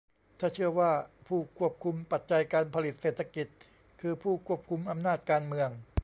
ถ้าเชื่อว่าผู้ควบคุมปัจจัยการผลิตเศรษฐกิจคือผู้ควบคุมอำนาจการเมือง